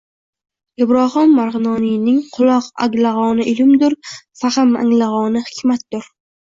Ibrohim Marg‘inoniyning: “Quloq anglag‘oni ilmdur, fahm anglag‘oni hikmatdur”